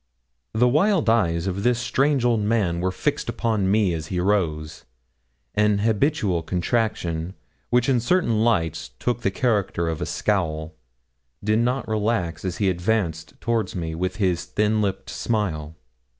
The wild eyes of this strange old man were fixed upon me as he rose; an habitual contraction, which in certain lights took the character of a scowl, did not relax as he advanced toward me with his thin lipped smile.